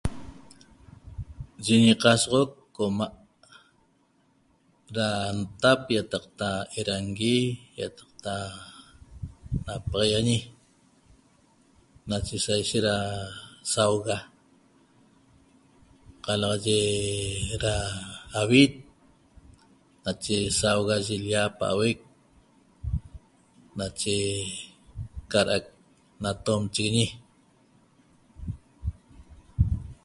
Yi ñi casoq coma da ntap ietaqta erangui iataqta napahiaxañi nache saishet da saoxa calaxaye da avit nache saoxa yilapa hui nache caraq natomchiguiñe